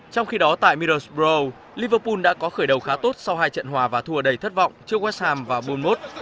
liverpool đã có khởi đầu khá tốt sau hai trận hòa và thua đầy thất vọng trước west ham và bournemouth